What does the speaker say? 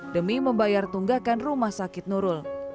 demi membayar tunggakan rumah sakit nurul